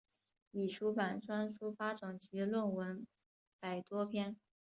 已出版专书八种及论文百多篇。